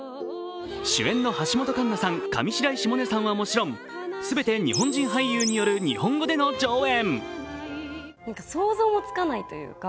主演の橋本環奈さん、上白石萌音さんはもちろん、全て日本人俳優による日本語での上演。